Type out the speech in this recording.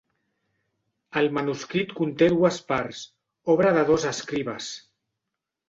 El manuscrit conté dues parts, obra de dos escribes.